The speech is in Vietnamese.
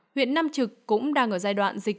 huyện nam trực cũng đang ở giai đoạn dịch